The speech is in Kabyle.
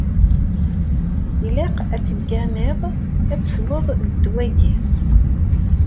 Ilaq ad teggamiḍ ad tesweḍ ddwa-yi.